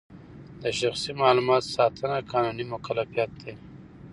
د شخصي معلوماتو ساتنه قانوني مکلفیت دی.